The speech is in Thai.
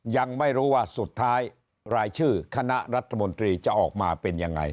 ยังไม่รู้ว่าสุดท้ายรายชื่อคณะรัฐมนตรีจะออกมาเป็นยังไง